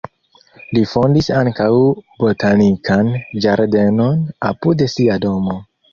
Li fondis ankaŭ botanikan ĝardenon apud sia domo.